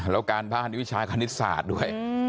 แล้วการบ้านวิชาคณิตศาสตร์ด้วย